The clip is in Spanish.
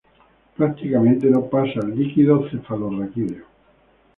Prácticamente no pasa al líquido cefalorraquídeo.